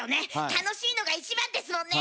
楽しいのが一番ですもんね！